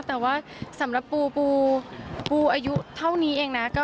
แต่ว่าสำหรับปูปูปูอายุเท่านี้เองนะ